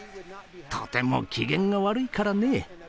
とても機嫌が悪いからね。